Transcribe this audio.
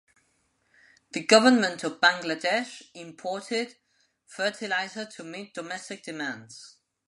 The Government of Bangladesh imported fertilizer to meet domestic demands.